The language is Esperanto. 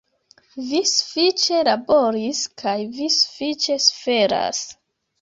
Vi sufiĉe laboris kaj Vi sufiĉe suferas!